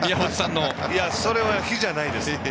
それはもう比じゃないです。